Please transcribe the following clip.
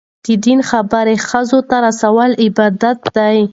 د دین خبرې ښځو ته رسول عبادت دی.